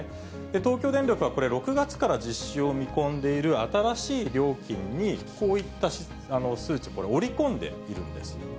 東京電力はこれ、６月から実施を見込んでいる新しい料金に、こういった数値、織り込んでいるんです。